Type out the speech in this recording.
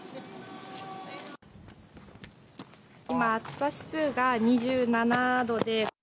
今、暑さ指数が２７度で。